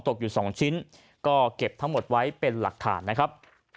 ตกอยู่๒ชิ้นก็เก็บทั้งหมดไว้เป็นหลักฐานนะครับ